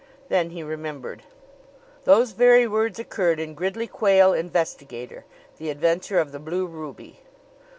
Then he remembered. Those very words occurred in Gridley Quayle, Investigator The Adventure of the Blue Ruby.